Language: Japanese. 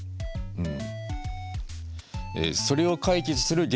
うん。